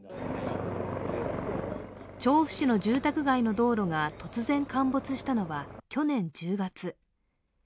調布市の住宅街の道路が突然陥没したのは去年１０月。